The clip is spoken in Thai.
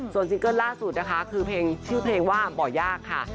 ส่วนซิงเกิ้ลล่าสุดนะคะคือเพลงชื่อเพลงว่าบ่อยากค่ะ